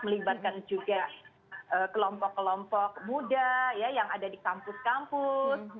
melibatkan juga kelompok kelompok muda yang ada di kampus kampus